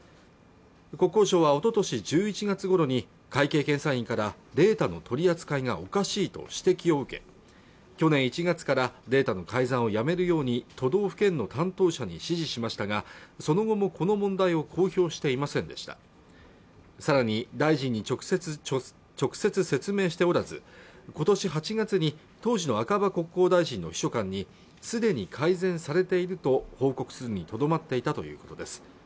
国交省はおととし１１月ごろに会計検査院からデータの取り扱いがおかしいと指摘を受け去年１月からデータの改ざんをやめるように都道府県の担当者に指示しましたがその後もこの問題を公表していませんでしたさらに大臣に直接、説明しておらず今年８月に当時の赤羽国交大臣の秘書官にすでに改善されていると報告するにとどまっていたということです